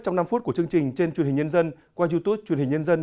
trong năm phút của chương trình trên truyền hình nhân dân qua youtube truyền hình nhân dân